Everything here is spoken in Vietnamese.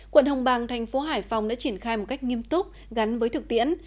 quận hồng bang thành phố hải phòng đã triển khai một cách nghiêm túc gắn với thực tiễn